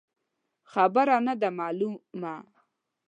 خبره نه ده مالونه.